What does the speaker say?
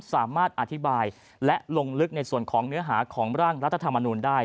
สามารถอธิบายและลงลึกในส่วนของเนื้อหาของร่างรัฐธรรมนูลได้